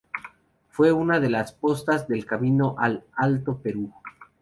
Fue una de las postas del camino al Alto Perú.